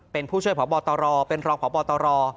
เป็นผู้ช่วยผ่อบอตรเป็นรองผ่อบอตร